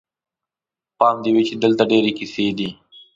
پام دې وي چې دلته ډېرې کیسې دي.